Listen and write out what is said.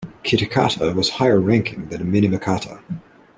Kitakata was higher-ranking than Minamikata.